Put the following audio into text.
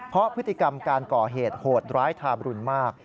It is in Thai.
เพราะพฤติกรรมการก่อเหตุโหดร้ายทาบรุณมาก